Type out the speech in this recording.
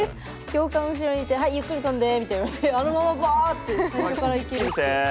教官後ろにいて「はいゆっくり飛んで」みたいに言われてあのままバーッて最初からいけるって。